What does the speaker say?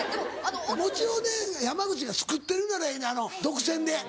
餅をね山口が作ってるならええねん独占で。